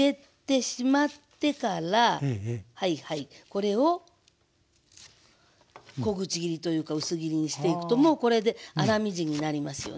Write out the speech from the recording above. これを小口切りというか薄切りにしていくともうこれで粗みじんになりますよね。